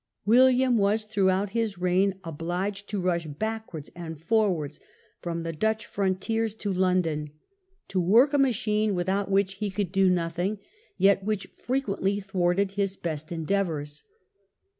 William was, throughout his reign, obliged to rush back wards and forwards from the Dutch frontiers to London, TREASON OF MANY STATESMEN. lOI to work a machine without which he could do nothing, yet which frequently thwarted his best endeavours.